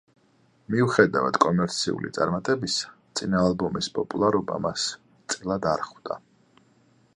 მიუხედავად კომერციული წარმატებისა, წინა ალბომის პოპულარობა მას წილად არ ხვდა.